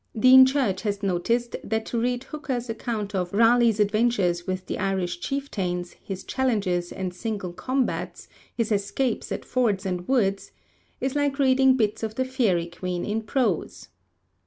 Dean Church has noticed that to read Hooker's account of 'Raleigh's adventures with the Irish chieftains, his challenges and single combats, his escapes at fords and woods, is like reading bits of the Faery Queen in prose.'